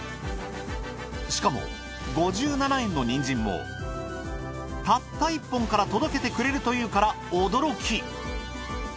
しかも５７円のにんじんもたった１本から届けてくれるというから驚き。